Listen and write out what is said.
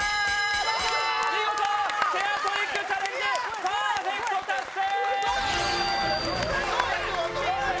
見事、チェアトリックチャレンジパーフェクト達成！